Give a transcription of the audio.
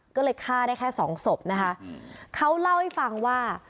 ก็เลยฆ่าได้แค่สองศพนะคะเขาเล่าให้ฟังว่า